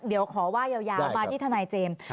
เดี๋ยวขอว่ายาวมาที่ทนายเจมส์